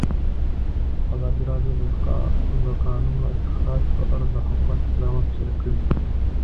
ازادي راډیو د د کانونو استخراج په اړه د حکومت اقدامات تشریح کړي.